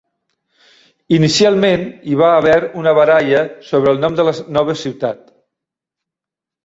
Inicialment, hi va haver una baralla sobre el nom de la nova ciutat.